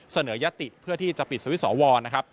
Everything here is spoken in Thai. เสนอยติเพื่อที่จะปิดสวิสวรรค์